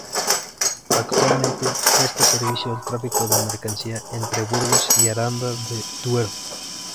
Actualmente presta servicio al tráfico de mercancías entre Burgos y Aranda de Duero.